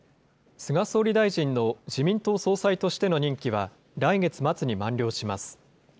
菅総理大臣の自民党総裁としての任期は来月末に満了します。